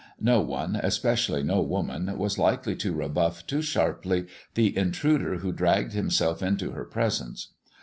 No one, especially no woman, was likely to rebuff too sharply the intruder who dragged himself into her presence.